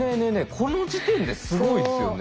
この時点ですごいですよね。